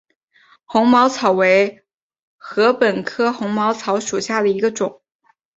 红毛草为禾本科红毛草属下的一个种。